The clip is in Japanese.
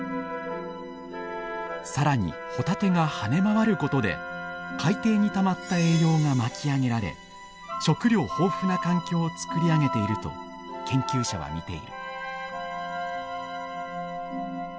更にホタテが跳ね回ることで海底にたまった栄養が巻き上げられ食糧豊富な環境を作り上げていると研究者は見ている。